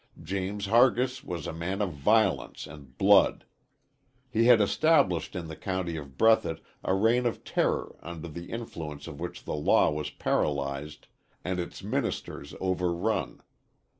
James Hargis was a man of violence and of blood. He had established in the county of Breathitt a reign of terror under the influence of which the law was paralyzed and its ministers overrun.